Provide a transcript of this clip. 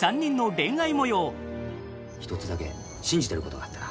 一つだけ信じていることがあってな。